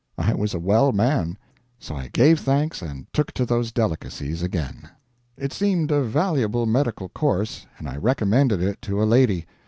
I was a well man; so I gave thanks and took to those delicacies again. It seemed a valuable medical course, and I recommended it to a lady.